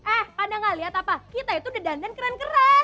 eh anda gak liat apa kita itu udah dandan keren keren